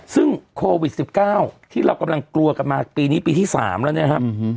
ซึ่งโควิด๑๙ที่เรากำลังกลัวกันมาปีนี้ปีที่๓แล้วนะครับ